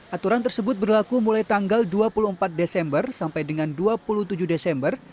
aturan tersebut berlaku mulai tanggal dua puluh empat desember sampai dengan dua puluh tujuh desember